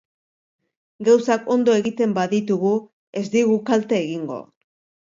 Gauzak ondo egiten baditugu ez digu kalte egingo.